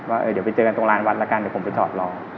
ว่าเดี๋ยวไปเจอกันตรงร้านวัดแล้วกันเดี๋ยวผมไปจอดรอ